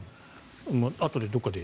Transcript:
あとで、どこかで。